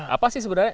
apa sih sebenarnya